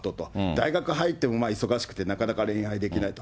大学入っても忙しくてなかなか恋愛できないと。